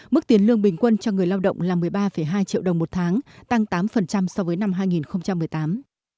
mức tiền lương bình quân cho người lao động là một mươi ba hai triệu đồng một tháng tăng tám so với năm hai nghìn một mươi tám